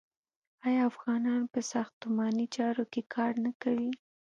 آیا افغانان په ساختماني چارو کې کار نه کوي؟